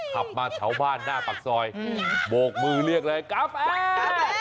หับมาเฉาบ้านหน้าปักซอยโบกมือเรียกเลยกาแฟ